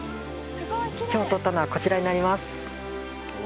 今日採ったのはこちらになります。